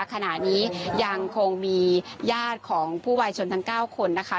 ขณะนี้ยังคงมีญาติของผู้วายชนทั้ง๙คนนะคะ